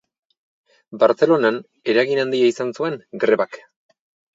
Bartzelonan eragin handia izan zuen grebak.